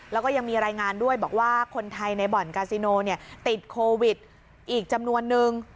แล้วก็ยังมีรายงานด้วยบอกว่าคนไทยในบ่อนกาซิโนติดโควิดอีกจำนวนนึง